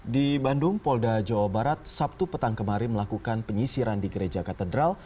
di bandung polda jawa barat sabtu petang kemarin melakukan penyisiran di gereja katedral